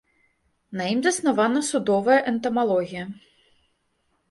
На ім заснавана судовая энтамалогія.